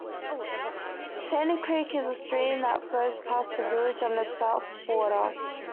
Sandy Creek is a stream that flows past the village on its south border.